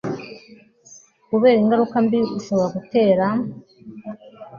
kubera ingaruka mbi ushobora gutera